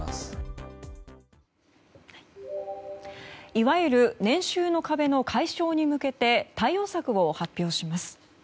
いわゆる年収の壁の解消に向けて対応策を発表します。